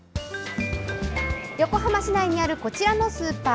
横浜市内にあるこちらのスーパー。